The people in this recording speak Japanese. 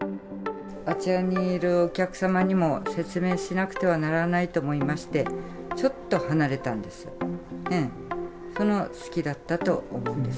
あちらにいるお客様にも説明しなくてはならないと思いまして、ちょっと離れたんです。